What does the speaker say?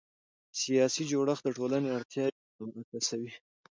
سیاسي جوړښت د ټولنې اړتیاوې منعکسوي